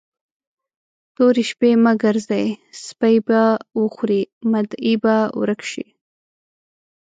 تورې شپې مه ګرځئ؛ سپي به وخوري، مدعي به ورک شي.